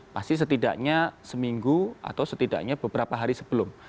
pasti setidaknya seminggu atau setidaknya beberapa hari sebelum